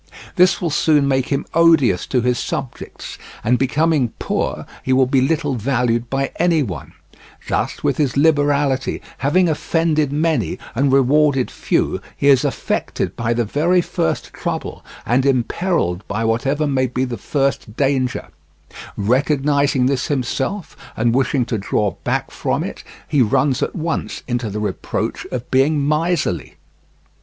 This will soon make him odious to his subjects, and becoming poor he will be little valued by any one; thus, with his liberality, having offended many and rewarded few, he is affected by the very first trouble and imperilled by whatever may be the first danger; recognizing this himself, and wishing to draw back from it, he runs at once into the reproach of being miserly.